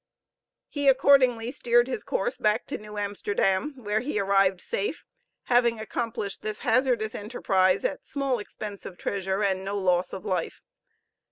He accordingly steered his course back to New Amsterdam, where he arrived safe, having accomplished this hazardous enterprise at small expense of treasure, and no loss of life.